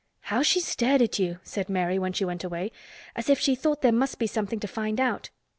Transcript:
"How she stared at you!" said Mary when she went away. "As if she thought there must be something to find out."